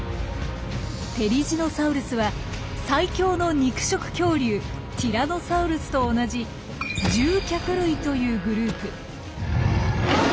テリジノサウルスは最強の肉食恐竜ティラノサウルスと同じ「獣脚類」というグループ。